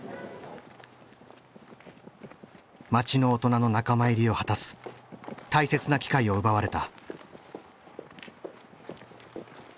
町の大人の仲間入りを果たす大切な機会を奪われた。